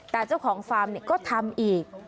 แต่เจ้าของฟาร์มก็ทำอีก